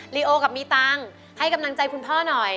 ลีโอกับมีตังค์ให้กำลังใจคุณพ่อหน่อย